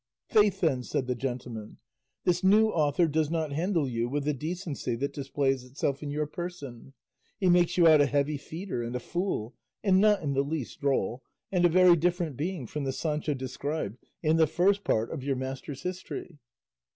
"Faith, then," said the gentleman, "this new author does not handle you with the decency that displays itself in your person; he makes you out a heavy feeder and a fool, and not in the least droll, and a very different being from the Sancho described in the First Part of your master's history."